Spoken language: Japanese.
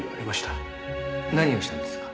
何をしたんですか？